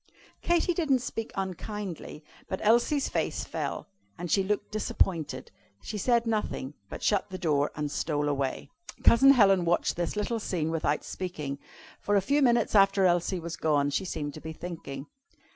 Katy didn't speak unkindly, but Elsie's face fell, and she looked disappointed. She said nothing, however, but shut the door and stole away. Cousin Helen watched this little scene without speaking. For a few minutes after Elsie was gone she seemed to be thinking.